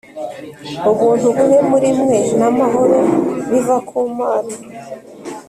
Ubuntu bube muri mwe n amahoro biva ku Mana